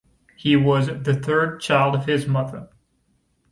He was the third child of his mother.